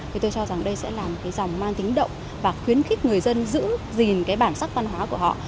thì tôi cho rằng đây sẽ là một cái dòng mang tính động và khuyến khích người dân giữ gìn cái bản sắc văn hóa của họ